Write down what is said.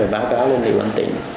báo cáo lên liên quan tỉnh